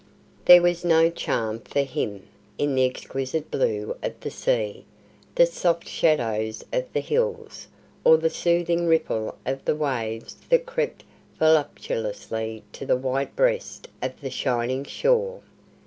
There was no charm for him in the exquisite blue of the sea, the soft shadows of the hills, or the soothing ripple of the waves that crept voluptuously to the white breast of the shining shore.